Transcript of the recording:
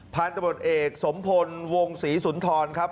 ผ่านตำรวจเอกสมพลังพลวงศรีสุนทรครับ